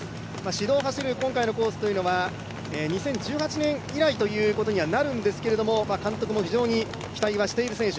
市道を走る今回のコースというのは、２０１８年以来ということになるんですけど監督も非常に期待はしている選手。